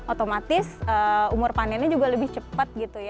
otomatis umur panennya juga lebih cepat